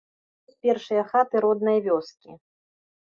Вось першыя хаты роднай вёскі.